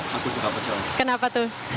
yang buat adik saya nama gua